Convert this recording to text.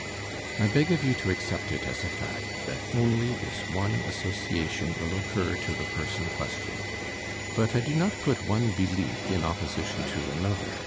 I beg of you to accept it as a fact that only this one association will occur to the person questioned. But I do not put one belief in opposition to another.